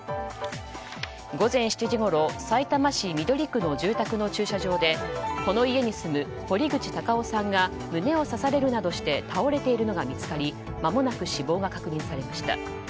午前７時半ごろさいたま市緑区の住宅の駐車場でこの家に住む堀口高男さんが胸を刺されるなどして倒れているのが見つかりまもなく死亡が確認されました。